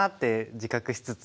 自覚しつつ。